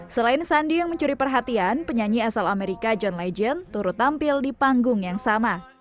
selain sandi yang mencuri perhatian penyanyi asal amerika john legend turut tampil di panggung yang sama